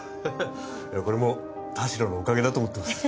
これも田代のおかげだと思ってます。